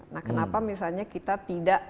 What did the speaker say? nah kenapa misalnya kita tidak